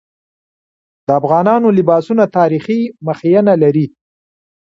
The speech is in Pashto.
د افغانانو لباسونه تاریخي مخینه لري.